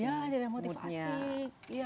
ya tidak ada motivasi